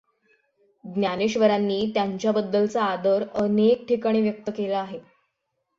ज्ञानेश्वरांनी त्यांच्याबद्दलचा आदर अनेक ठिकाणी व्यक्त केलेला आहे.